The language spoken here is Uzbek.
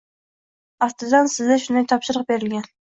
Aftidan, sizda shunday topshiriq berilgan